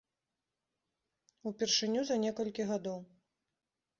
Упершыню за некалькі гадоў.